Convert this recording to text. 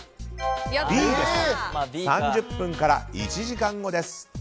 Ｂ、３０分から１時間後です。